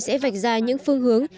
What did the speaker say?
sẽ vạch ra những phương hướng